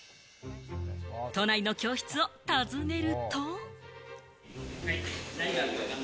都内の教室を訪ねると。